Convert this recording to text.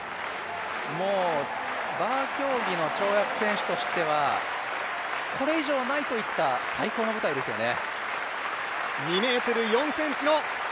もうバー競技の跳躍選手としてはこれ以上ないといった最高の舞台ですよね。